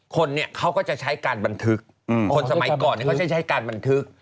คนเนี่ยเขาก็จะใช้การบันทึกคนสมัยก่อนเขาจะใช้การบันทึก